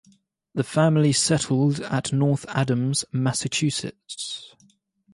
The family settled at North Adams, Massachusetts.